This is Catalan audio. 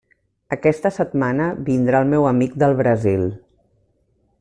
Aquesta setmana vindrà el meu amic del Brasil.